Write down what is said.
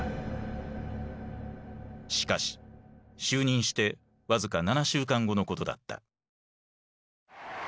しかし就任して僅か７週間後のことだった。